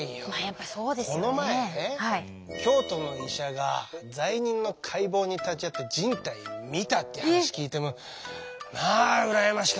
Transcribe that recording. この前ね京都の医者が罪人の解剖に立ち会って人体を見たっていう話聞いてまあ羨ましかったね！